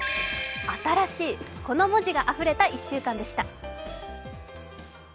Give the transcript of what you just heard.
新しい、この文字があふれた１週間でした。